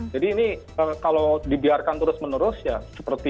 jadi ini kalau dibiarkan terus menerus ya seperti